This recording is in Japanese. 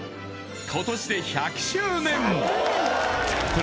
今年で１００周年